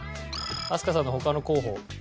飛鳥さんの他の候補。